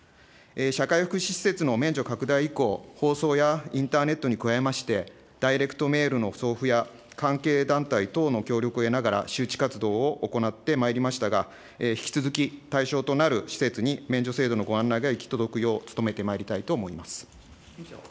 社会福祉施設の免除拡大以降、放送やインターネットに加えまして、ダイレクトメールの送付や、関係団体等の協力を得ながら、周知活動を行ってまいりましたが、引き続き対象となる施設に免除制度のご案内が行き届くよう、努めてまいりたいと思います。